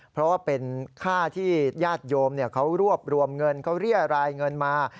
เพราะว่าเป็นค่าที่ญาติโยมเขารวบรวมเงินเขาเรียรายเงินมา